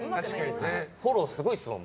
フォローすごいですもん